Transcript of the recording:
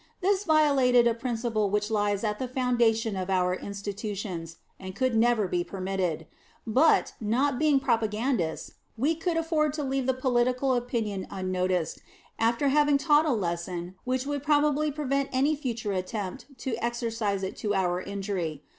This violated a principle which lies at the foundation of our institutions, and could never be permitted; but, not being propagandists, we could afford to leave the political opinion unnoticed, after having taught a lesson which would probably prevent any future attempt to exercise it to our injury.